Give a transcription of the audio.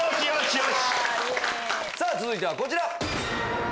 続いてはこちら！